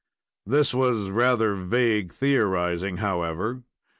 This was rather vague theorizing, however.